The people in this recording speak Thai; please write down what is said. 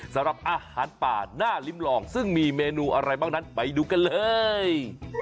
สำหรับอาหารป่าน่าลิ้มลองซึ่งมีเมนูอะไรบ้างนั้นไปดูกันเลย